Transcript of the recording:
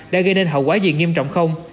đã gây nên hậu quả gì nghiêm trọng không